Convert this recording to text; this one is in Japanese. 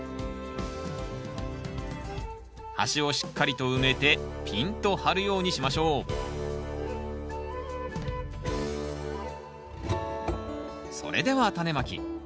端をしっかりと埋めてピンと張るようにしましょうそれではタネまき。